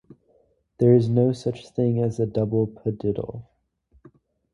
There is no such thing as a double padiddle.